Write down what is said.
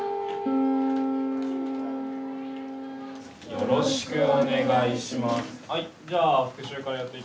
よろしくお願いします。